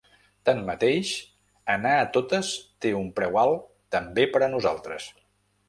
Tanmateix, anar a totes té un preu alt també per a nosaltres.